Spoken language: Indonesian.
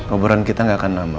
obrolan kita gak akan lama